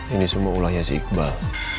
ini semua ulahnya sih iqbal